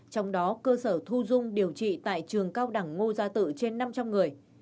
trong đó cơ sở thu dung điều trị tại trường cao đẳng ngô gia tự trên năm trăm linh người